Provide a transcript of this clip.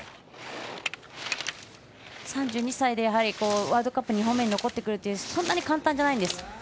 ３２歳でワールドカップ２本目に残ってくるってそんなに簡単じゃないです。